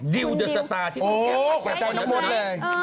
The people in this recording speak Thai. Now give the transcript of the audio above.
ดิวดิวโอ้หัวใจทั้งหมดเลย